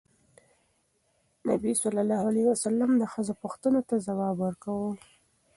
نبي ﷺ د ښځو پوښتنو ته ځواب ورکول.